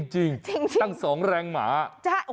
จริงทั้งสองแรงหมา